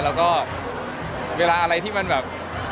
แล้วก็เวลาอะไรที่มันแบบ